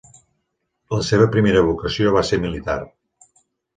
La seva primera vocació va ser militar.